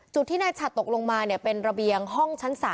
จุดที่นายฉัดตกลงมาเป็นระเบียงห้องชั้น๓